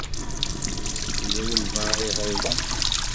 Yella walebɛaḍ i iɣelḍen.